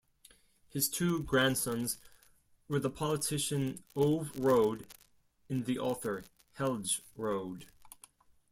His two grandsons were the politician Ove Rode and the author Helge Rode.